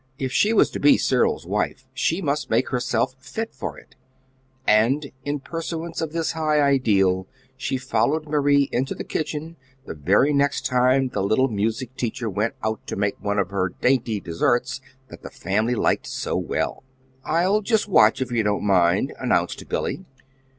If she was to be Cyril's wife she must make herself fit for it and in pursuance of this high ideal she followed Marie into the kitchen the very next time the little music teacher went out to make one of her dainty desserts that the family liked so well. "I'll just watch, if you don't mind," announced Billy.